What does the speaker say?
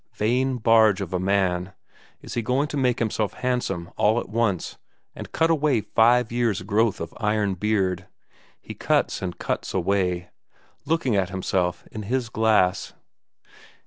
Vain barge of a man; is he going to make himself handsome all at once, and cut away five years' growth of iron beard? He cuts and cuts away, looking at himself in his glass.